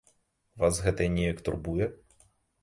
Вас гэта неяк турбуе?